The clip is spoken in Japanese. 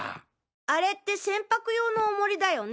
あれって船舶用の重りだよね？